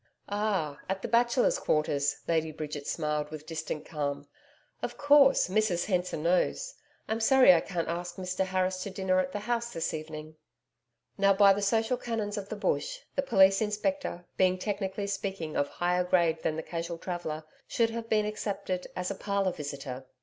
'Ah! at the Bachelors' Quarters,' Lady Bridget smiled with distant calm. 'Of course, Mrs Hensor knows. I'm sorry I can't ask Mr Harris to dinner at the house this evening.' Now, by the social canons of the Bush, the police inspector, being technically speaking of higher grade than the casual traveller, should have been accepted as a 'parlour visitor.'